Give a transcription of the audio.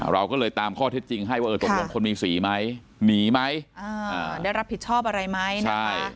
เราก็เลยตามข้อเท็จจริงให้ว่าเออตกลงคนมีสีไหมหนีไหมได้รับผิดชอบอะไรไหมใช่